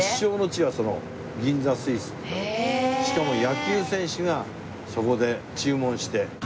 しかも野球選手がそこで注文して。